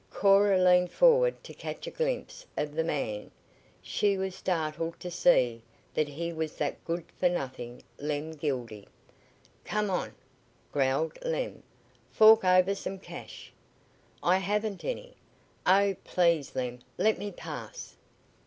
Cora leaned forward to catch a glimpse of the man. She was startled to see that he was that good for nothing Lem Gildy. "Come on," growled Lem, "fork over some cash." "I haven't any. Oh, please, Lem, let me pass!"